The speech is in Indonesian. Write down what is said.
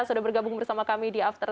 sudah bergabung bersama kami di after sepuluh